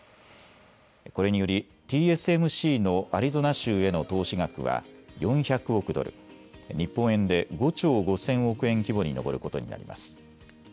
これによりＴＳＭＣのアリゾナ州への投資額は４００億ドル、日本円で５兆５０００億円規模に上ることになります。